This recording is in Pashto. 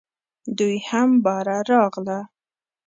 دوی هم باره راغله .